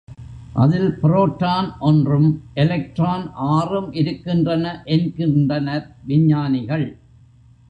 அதில் புரோட்டான் ஒன்றும் எலக்ட்ரான் ஆறும் இருக்கின்றன என்கின்றனர் விஞ்ஞானிகள்.